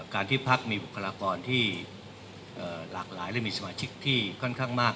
การที่พักมีบุคลากรที่หลากหลายและมีสมาชิกที่ค่อนข้างมาก